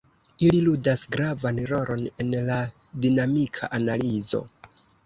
Ili ludas gravan rolon en la dinamika analizo.